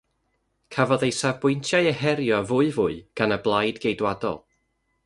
Cafodd ei safbwyntiau eu herio fwyfwy gan y Blaid Geidwadol.